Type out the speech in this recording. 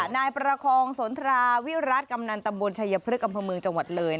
นายประคองสวนทราวิรัตรกรรมนันตำบลชายพฤษกมพมืองจังหวัดเลย